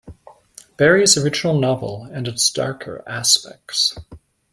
Barrie's original novel and its darker aspects.